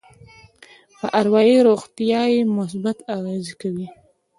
په اروایي روغتيا يې مثبت اغېز کوي.